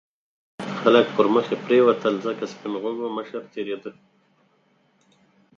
خلک پرمخې پرېوتل ځکه سپین غوږو مشر تېرېده.